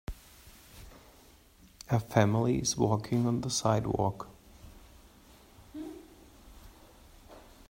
A family is walking on the sidewalk.